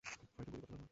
হয়তো গুলি করতে পারবো।